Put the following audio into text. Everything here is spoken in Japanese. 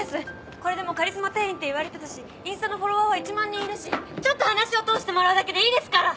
これでもカリスマ店員って言われてたしインスタのフォロワーは１万人いるしちょっと話を通してもらうだけでいいですから！